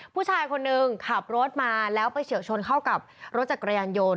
ผู้ชายคนนึงขับรถมาแล้วไปเฉียวชนเข้ากับรถจักรยานยนต์